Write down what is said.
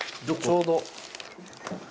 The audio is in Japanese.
ちょうど。